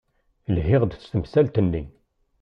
Lhiɣ-d s temsalt-nni.